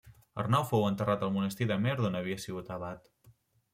Arnau fou enterrat al monestir d'Amer d'on havia sigut abat.